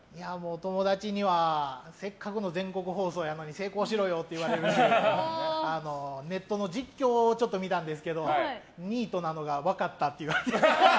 友達にはせっかくの全国放送なのに成功しろよって言われてネットの実況を見たんですけどニートなのが分かったって言われて。